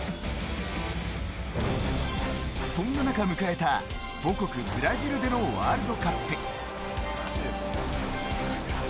そんな中、迎えた母国・ブラジルでのワールドカップ。